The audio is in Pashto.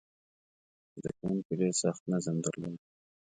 زده کوونکي ډېر سخت نظم درلود.